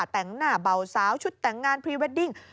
แต่งหน้าเบาสาวชุดแต่งงานพรีเวดดิ้ง